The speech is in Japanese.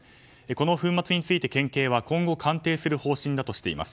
この粉末について県警は今後鑑定する方針だとしています。